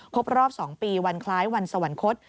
ครบรอบ๒ปีวันคล้ายวันสวรรคต